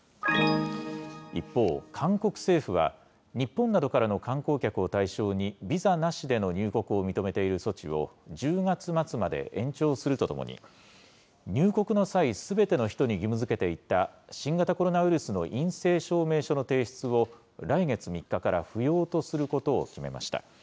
一方、韓国政府は、日本などからの観光客を対象に、ビザなしでの入国を認めている措置を１０月末まで延長するとともに、入国の際、すべての人に義務づけていた新型コロナウイルスの陰性証明書の提出を、来月３日から不要とすることを決めました。